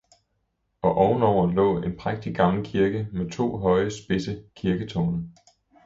og oven over lå en prægtig gammel kirke med to høje, spidse kirketårne.